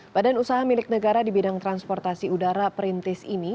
badan usaha milik negara di bidang transportasi udara perintis ini